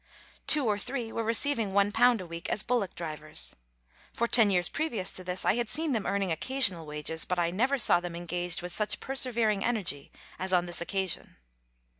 Two or three were receiving l a week as bullock drivers. For ten years previous to this, I had seen them earning occasional wages, but I never saw them engaged with such per severing energy as on this occasion.